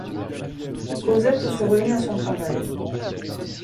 Cosette se remit à son travail.